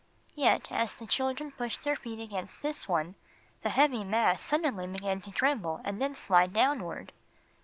Yet as the children pushed their feet against this one, the heavy mass suddenly began to tremble and then slide downward.